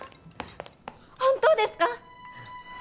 本当ですか？